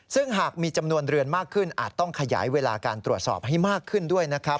ซึ่งหากมีจำนวนเรือนมากขึ้นอาจต้องขยายเวลาการตรวจสอบให้มากขึ้นด้วยนะครับ